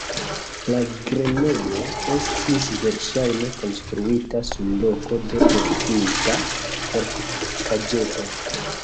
La grenejo estis verŝajne konstruita sur loko de estinta fortikaĵeto.